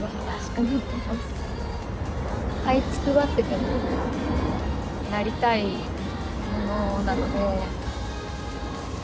はいつくばってでもなりたいものなので。